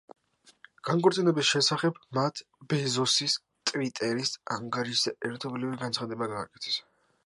განქორწინების შესახებ მათ ბეზოსის „ტვიტერის“ ანგარიშზე ერთობლივი განცხადება გააკეთეს.